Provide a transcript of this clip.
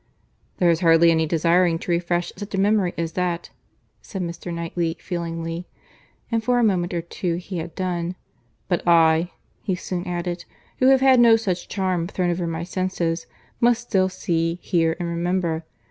"There is hardly any desiring to refresh such a memory as that,"—said Mr. Knightley, feelingly; and for a moment or two he had done. "But I," he soon added, "who have had no such charm thrown over my senses, must still see, hear, and remember.